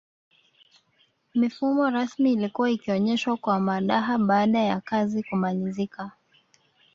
Mifumo rasmi ilikuwa ikionyeshwa kwa madaha baada yakazi kumalizika